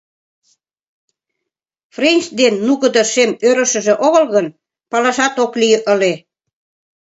Френч ден нугыдо шем ӧрышыжӧ огыл гын, палашат ок лий ыле.